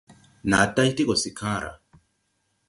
Naa mo tay ti gɔ se kããra.